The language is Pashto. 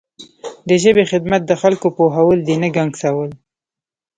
د ژبې خدمت د خلکو پوهول دي نه ګنګسول.